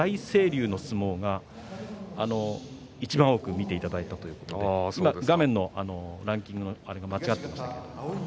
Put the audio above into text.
龍の相撲がいちばん多く見ていただいたということで画面のランキングが間違っていました。